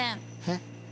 えっ！